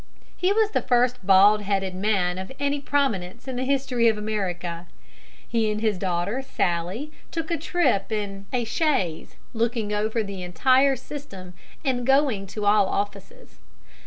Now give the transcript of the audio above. He was the first bald headed man of any prominence in the history of America. He and his daughter Sally took a trip in a chaise, looking over the entire system, and going to all offices.